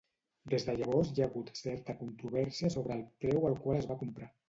Des de llavors hi ha hagut certa controvèrsia sobre el preu al qual es va comprar.